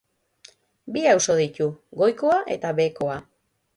Bi auzo ditu: goikoa eta behekoa.